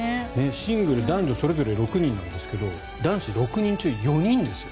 シングル男女それぞれ６人なんですが男子６人中４人ですよ。